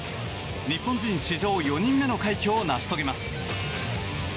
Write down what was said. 日本人史上４人目の快挙を成し遂げます。